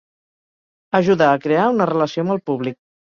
Ajuda a crear una relació amb el públic.